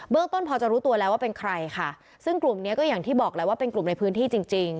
ต้นพอจะรู้ตัวแล้วว่าเป็นใครค่ะซึ่งกลุ่มเนี้ยก็อย่างที่บอกแหละว่าเป็นกลุ่มในพื้นที่จริงจริง